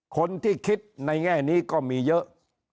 คนที่คิดในแง่นี้ก็มีเยอะ